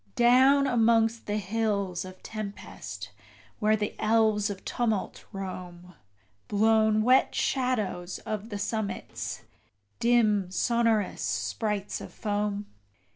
Down amongst the hills of tempest, where the elves of tumult roam Blown wet shadows of the summits, dim sonorous sprites of foam?